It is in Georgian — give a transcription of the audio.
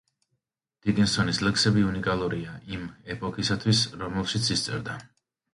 დიკინსონის ლექსები უნიკალურია იმ ეპოქისათვის, რომელშიც ის წერდა.